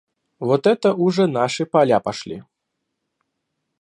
Вот это уж наши поля пошли.